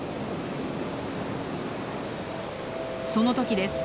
その時です。